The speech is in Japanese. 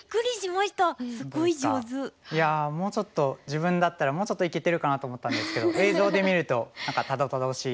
いやもうちょっと自分だったらもうちょっといけてるかなと思ったんですけど映像で見ると何かたどたどしいですね。